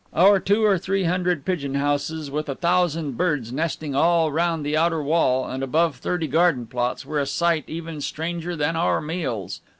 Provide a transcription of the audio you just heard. Our two or three hundred pigeon houses, with a thousand birds nesting all round the outer wall, and above thirty garden plots, were a sight even stranger than our meals.